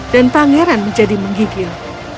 dan pangeran menjadi menggigil